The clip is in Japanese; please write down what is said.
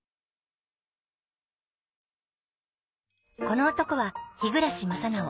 この男は日暮正直。